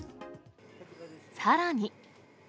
さらに。